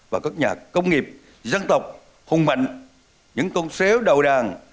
và các nhà công nghiệp dân tộc hùng mạnh những công xéo đầu đàn